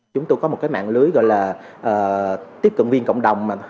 chúng tôi có một cái mạng lưới gọi là tiếp cận viên cộng đồng mà